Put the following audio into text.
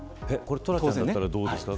トラウデンさんだったらどうですか。